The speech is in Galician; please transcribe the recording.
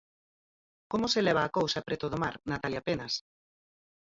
Como se leva a cousa preto do mar, Natalia Penas?